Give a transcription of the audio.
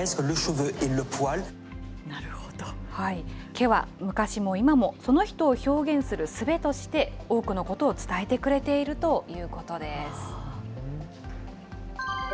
毛は昔も今も、その人を表現するすべとして、多くのことを伝えてくれているということです。